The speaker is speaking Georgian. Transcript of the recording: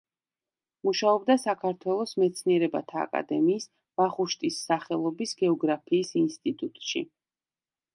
მუშაობდა საქართველოს მეცნიერებათა აკადემიის ვახუშტის სახელობის გეოგრაფიის ინსტიტუტში.